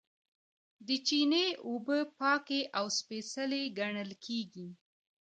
د چینې اوبه پاکې او سپیڅلې ګڼل کیږي.